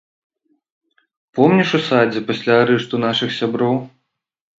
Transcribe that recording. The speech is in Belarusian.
Помніш у садзе пасля арышту нашых сяброў?